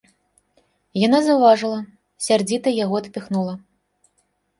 Яна заўважыла, сярдзіта яго адпіхнула.